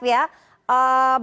saya ingin mencapai